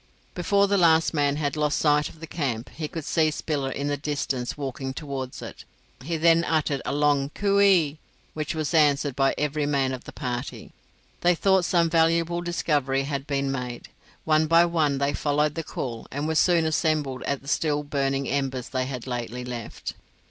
Before the last man had lost sight of the camp, he could see Spiller in the distance walking towards it. He then uttered a long coo ee, which was answered by every man of the party. They thought some valuable discovery had been made. One by one they followed the call and were soon assembled at the still burning embers they had lately left.